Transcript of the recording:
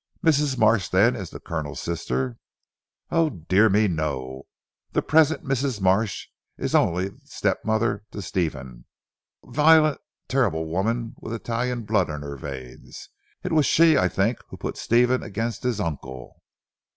"Mrs. Marsh then is the Colonel's sister?" "Oh, dear me no. The present Mrs. Marsh is only step mother to Stephen. A violent terrible woman with Italian blood in her veins. It was she I think who put Stephen against his uncle."